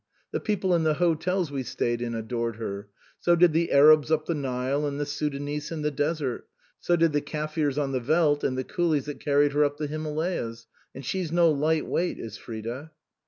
The people in the hotels we stayed in adored her. So did the Arabs up the Nile and the Soudanese in the desert, so did the Kaffirs on the veldt and the coolies that carried her up the Himalayas and she's no light weight, is Frida."